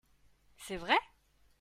C'est vrai ?